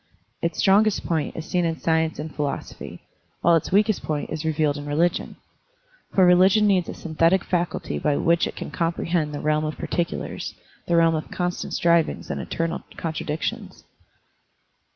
Its strongest point is seen in science and phi losophy, while its weakest point is revealed in religion. For religion needs a synthetic faculty by which it can comprehend the realm of par ticulars, the realm of constant strivings and eternal contradictions.